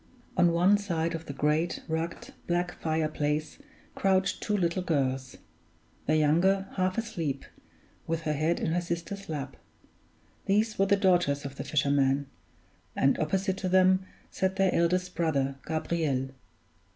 On one side of the great, rugged, black fire place crouched two little girls; the younger half asleep, with her head in her sister's lap. These were the daughters of the fisherman; and opposite to them sat their eldest brother, Gabriel.